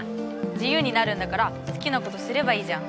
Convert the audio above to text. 自ゆうになるんだからすきなことすればいいじゃん！